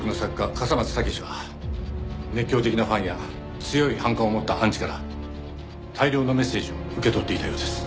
笠松剛史は熱狂的なファンや強い反感を持ったアンチから大量のメッセージを受け取っていたようです。